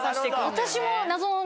私も。